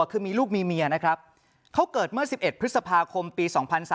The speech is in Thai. คือมีลูกมีเมียนะครับเขาเกิดเมื่อ๑๑พฤษภาคมปี๒๓